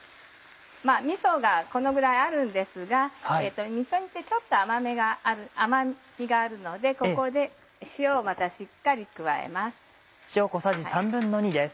みそがこのぐらいあるんですがみそ煮ってちょっと甘みがあるのでここで塩をまたしっかり加えます。